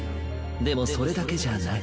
でもそれだけじゃない。